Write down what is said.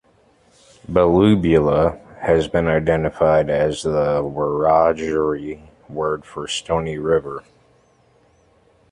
"Belubula" has been identified as the Wiradjuri word for "stony river".